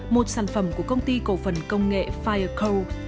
một sản phẩm của công ty cầu phần công nghệ firecode